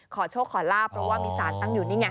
ขอโชคขอลาบเพราะว่ามีสารตั้งอยู่นี่ไง